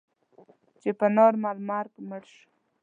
چې په نارمل مرګ مړ شو.